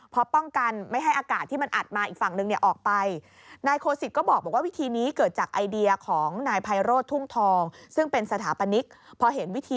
เพราะป้องกันไม่ให้อากาศที่มันอัดมาอีกฝั่งนึงเนี่ยออกไป